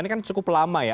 ini kan cukup lama ya